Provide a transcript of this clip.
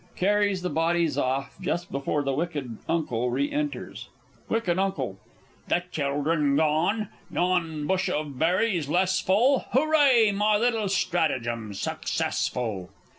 [Carries the bodies off just before the W. U. re enters. W. U. The children gone? yon bush of berries less full! Hooray, my little stratagem's successful!